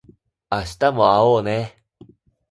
明日も会おうね